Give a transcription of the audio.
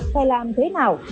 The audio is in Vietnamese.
phải làm thế nào